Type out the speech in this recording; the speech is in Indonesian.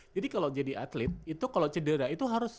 jadi kalau jadi atlet itu kalau cedera itu harus